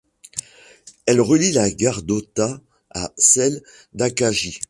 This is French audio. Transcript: Elle relie la gare d'Ōta à celle d'Akagi.